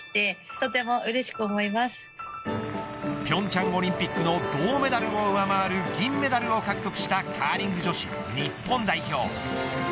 平昌オリンピックの銅メダルを上回る銀メダルを獲得したカーリング女子日本代表。